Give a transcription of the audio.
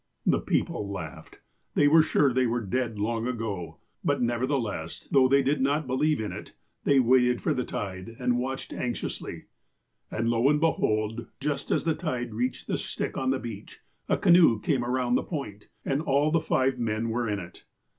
" The people laughed. They were sure they were dead long ago. But, nevertheless, though they did not believe in it, they waited for the tide and watched anxiously ; and, lo and behold— just as the tide reached the stick on the beach, a canoe came around the point, and all the five men were in it.